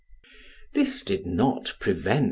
This did not prevent M.